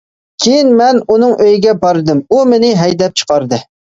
كېيىن مەن ئۇنىڭ ئۆيىگە باردىم، ئۇ مېنى ھەيدەپ چىقاردى.